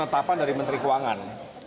menetapkan dari menteri keuangan